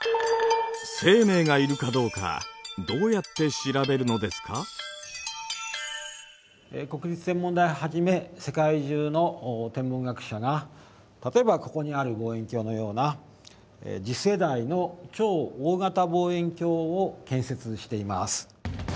そのうち国立天文台をはじめ世界中の天文学者が例えばここにある望遠鏡のような次世代の超大型望遠鏡を建設しています。